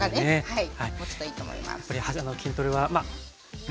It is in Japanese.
はい。